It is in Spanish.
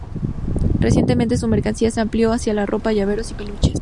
Recientemente su mercancía se amplió hacia la ropa, llaveros y peluches.